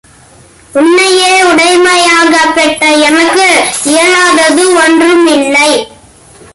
உன்னையே உடைமையாகப் பெற்ற எனக்கு இயலாதது ஒன்றுமில்லை.